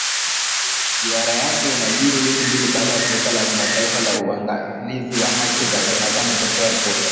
Ziara yake inajiri wiki mbili baada ya Shirika la kimataifa la uangalizi wa Haki za Binadamu kutoa ripoti.